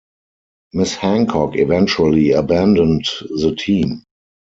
Miss Hancock eventually abandoned the team.